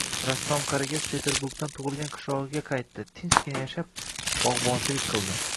Rassom qarigach, Peterbugdan tugʻilgan qishlogʻiga qaytdi, tinchgina yashab, bogʻbonchilik qildi.